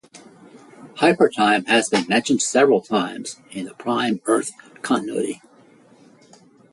Hypertime has been mentioned several times in the Prime Earth continuity.